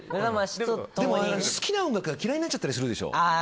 好きな音楽が嫌いになっちゃったりするでしょ。